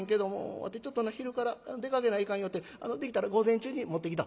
わてちょっとな昼から出かけないかんよってできたら午前中に持ってきと」。